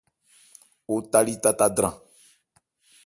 O tali tata dran.